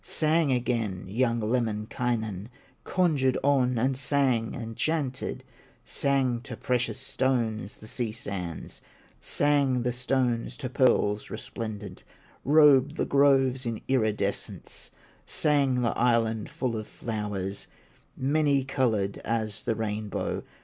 Sang again young Lemminkainen, Conjured on, and sang, and chanted, Sang to precious stones the sea sands, Sang the stones to pearls resplendent, Robed the groves in iridescence, Sang the island full of flowers, Many colored as the rainbow.